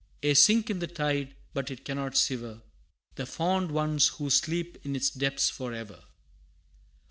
Ye sink in the tide, but it cannot sever The fond ones who sleep in its depths for ever!